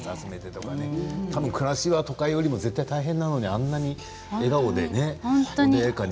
多分、暮らしは都会よりも絶対大変なのにあんなにいい笑顔でね。